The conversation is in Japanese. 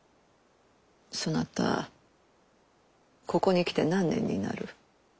そなたここに来て何年になる？